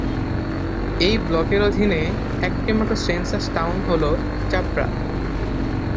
এই ব্লকের অধীনে একটি মাত্র সেন্সাস টাউন হল চাপড়া।